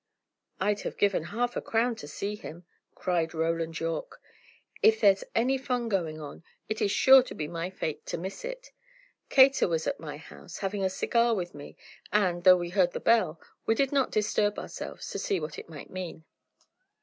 "I'd have given half a crown to see him!" cried Roland Yorke. "If there's any fun going on, it is sure to be my fate to miss it. Cator was at my house, having a cigar with me; and, though we heard the bell, we did not disturb ourselves to see what it might mean."